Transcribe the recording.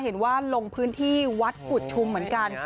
ลงพื้นที่วัดกุฎชุมเหมือนกัน